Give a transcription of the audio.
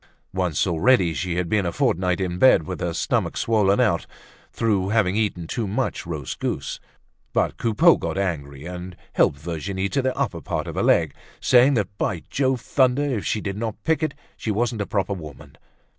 Once already, she had been a fortnight in bed, with her stomach swollen out, through having eaten too much roast goose. But Coupeau got angry and helped Virginie to the upper part of a leg, saying that, by Jove's thunder! if she did not pick it, she wasn't a proper woman.